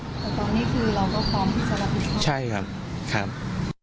แต่ตอนนี้คือเราก็พร้อมที่จะรับผิดชอบใช่ครับครับ